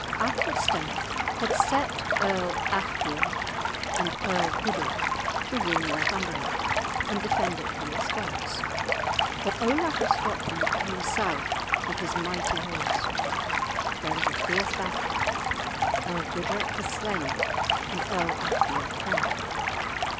Athelstan had set Earl Alfgeir and Earl Gudrek to rule Northumberland and defend it from the Scots. But Olaf of Scotland came south with his mighty host; there was a fierce battle; Earl Gudrek was slain and Earl Alfgeir fled.